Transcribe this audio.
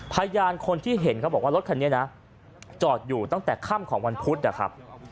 พยานคนที่เห็นเขาบอกว่ารถคันนี้นะจอดอยู่ตั้งแต่ค่ำของวันพุธนะครับ